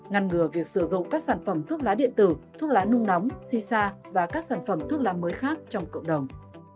ngăn ngừa việc sử dụng các sản phẩm thuốc lá điện tử thuốc lá nung nóng si sa và các sản phẩm thuốc lá mới khác trong cộng đồng